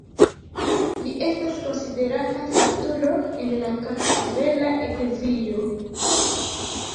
Li estas konsiderata sanktulo en la Kartvela Eklezio.